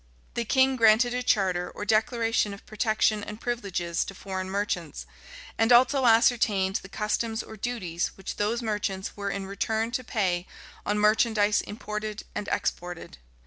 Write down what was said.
This king granted a charter or declaration of protection and privileges to foreign merchants, and also ascertained the customs or duties which those merchants were in return to pay on merchandise imported and exported.